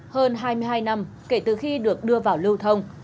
hơn hai mươi hai năm kể từ khi được đưa vào lưu thông